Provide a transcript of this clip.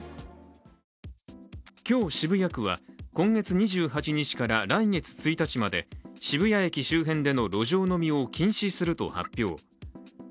今日、渋谷区は今月２８日から来月１日まで渋谷駅周辺での路上飲みを禁止すると発表。